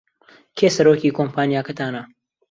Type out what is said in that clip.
کێ سەرۆکی کۆمپانیاکەتانە؟